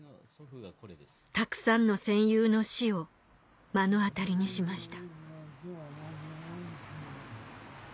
たくさんの戦友の死を目の当たりにしました